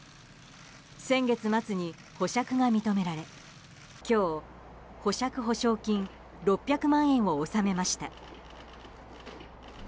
先月末に保釈が認められ今日、保釈保証金６００万円を納めました。